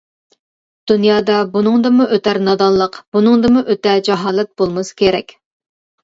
دۇنيادا بۇنىڭدىنمۇ ئۆتەر نادانلىق، بۇنىڭدىنمۇ ئۆتە جاھالەت بولمىسا كېرەك.